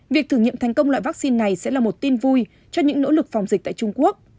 việc thử nghiệm thành công loại vaccine này sẽ là một tin vui cho những nỗ lực phòng dịch tại trung quốc